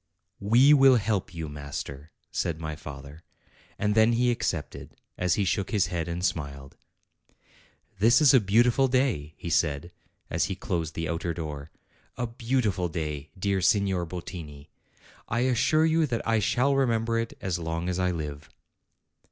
"We will help you, master," said my father. And then he accepted, as he shook his head and smiled. "This is a beautiful day," he said, as he closed the outer door, "a beautiful day, dear Signor Bottini! I assure you that I shall remember it as long as I live."